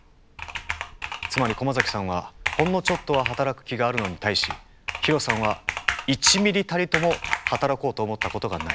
つまり駒崎さんはほんのちょっとは働く気があるのに対しヒロさんは１ミリたりとも働こうと思ったことがない。